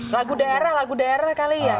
lagu daerah lagu daerah kali ya